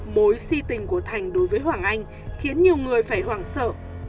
mối si tình của thành đối với hoàng anh khiến nhiều người phải hoảng sợ